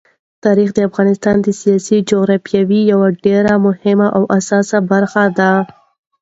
تاریخ د افغانستان د سیاسي جغرافیې یوه ډېره مهمه او اساسي برخه ده.